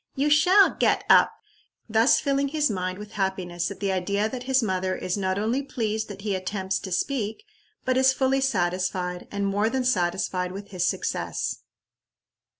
you shall get up;" thus filling his mind with happiness at the idea that his mother is not only pleased that he attempts to speak, but is fully satisfied, and more than satisfied, with his success.